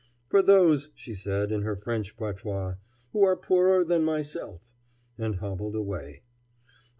"For those," she said, in her French patois, "who are poorer than myself"; and hobbled away.